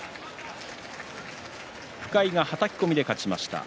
深井がはたき込みで勝ちました。